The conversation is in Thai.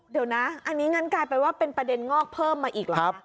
เดี๋ยวนะอันนี้งั้นกลายเป็นว่าเป็นประเด็นงอกเพิ่มมาอีกเหรอคะ